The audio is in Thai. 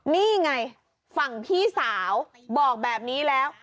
นี่ไงฝั่งพี่สาวบอกแบบนี้แล้ว